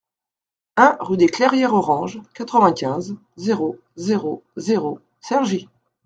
un rue des Clairières Orange, quatre-vingt-quinze, zéro zéro zéro, Cergy